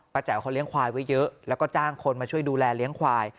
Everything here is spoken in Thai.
แจ๋วเขาเลี้ยควายไว้เยอะแล้วก็จ้างคนมาช่วยดูแลเลี้ยงควาย